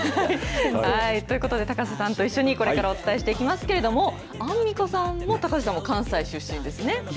ということで高瀬さんと一緒にこれからお伝えしていきますけれどアンミカさんも高瀬さんも関西出身ですね。